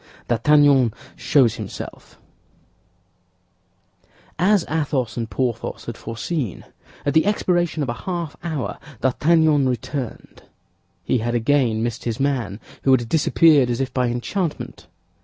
D'ARTAGNAN SHOWS HIMSELF As Athos and Porthos had foreseen, at the expiration of a half hour, D'Artagnan returned. He had again missed his man, who had disappeared as if by enchantment.